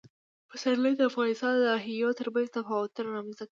پسرلی د افغانستان د ناحیو ترمنځ تفاوتونه رامنځ ته کوي.